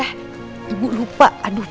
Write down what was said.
eh ibu lupa